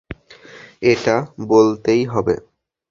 এটা বলতেই হবে।